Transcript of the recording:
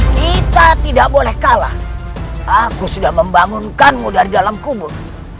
kita tidak boleh kalah aku sudah membangunkanmu dari dalam kubur